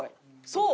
そう！